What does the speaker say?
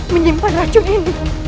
menyimpan racun ini